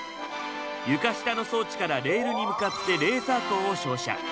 床下の装置からレールに向かってレーザー光を照射。